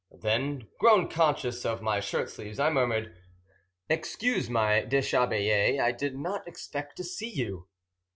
Then, grown conscious of my shirt sleeves, I murmured, "Excuse my deshabille. I did not expect to see you."